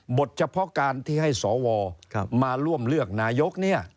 เฉพาะการที่ให้สวมาร่วมเลือกนายกเนี่ย